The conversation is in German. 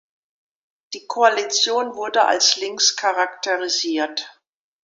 Die Koalition wurde als links charakterisiert.